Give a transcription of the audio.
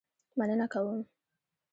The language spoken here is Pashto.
مننه کول.